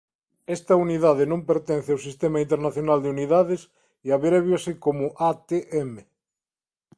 Esta unidade non pertence ao Sistema Internacional de Unidades e abréviase como atm.